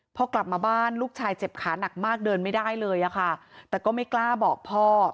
พอกลับมาบ้านลูกชายเจ็บขาหนักมากเดินไม่ได้เลยอะค่ะแต่ก็ไม่กล้าบอกพ่อ